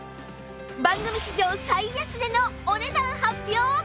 番組史上最安値のお値段発表！